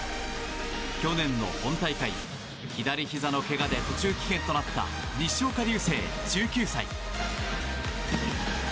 去年の本大会、左ひざのけがで途中棄権となった西岡隆成、１９歳。